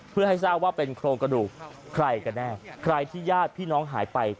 เพื่อให้ทราบว่าเป็นโครงกระดูกใครกันแน่ใครที่ญาติพี่น้องหายไป